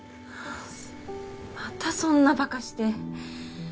またそんなバカして。